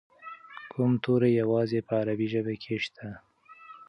کوم توري یوازې په عربي ژبه کې شته؟